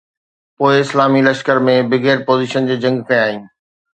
پوءِ اسلامي لشڪر ۾ بغير پوزيشن جي جنگ ڪيائين